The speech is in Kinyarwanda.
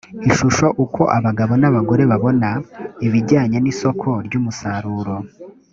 ishusho uko abagabo n abagore babona ibijyanye n isoko ry umusaruro